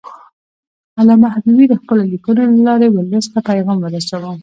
علامه حبیبي د خپلو لیکنو له لارې ولس ته پیغام ورساوه.